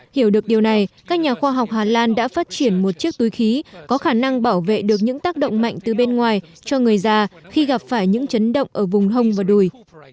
hiểu được điều này các nhà khoa học hà lan đã phát triển một chiếc túi khí có khả năng bảo vệ được những tác động mạnh từ bên ngoài cho người già khi gặp phải những chấn động ở vùng hông và đùi